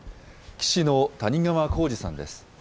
棋士の谷川浩司さんです。